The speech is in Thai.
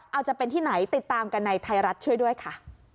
เอาจะเป็นที่ไหนติดตามกันในไทยรัฐช่วยด้วยค่ะ